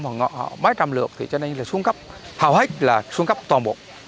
mà mấy trăm lượt thì cho nên là xuống cấp hầu hết là xuống cấp toàn bộ